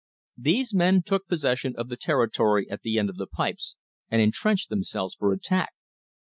These men took possession of the territory at the end of the pipes and intrenched themselves for attack.